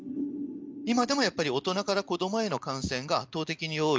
今でもやっぱり大人から子どもへの感染が圧倒的に多い。